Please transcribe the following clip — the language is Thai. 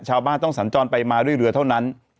ชาวบ้านต้องสัญจรไปมาด้วยเรือเท่านั้น